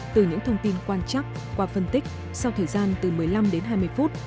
từ những thông tin quan chắc qua phân tích sau thời gian từ một mươi năm đến hai mươi phút